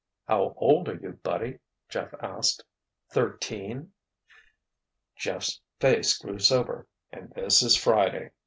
"How old are you, buddy," Jeff asked. "Thirteen!" Jeff's face grew sober. "And this is Friday!"